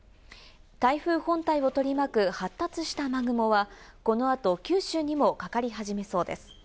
台風本体を取り巻く発達した雨雲はこのあと九州にもかかり始めそうです。